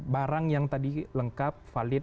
barang yang tadi lengkap valid